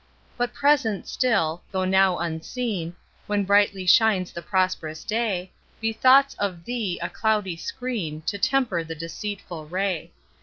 But, present still, though now unseen; When brightly shines the prosperous day, Be thoughts of THEE a cloudy screen To temper the deceitful ray.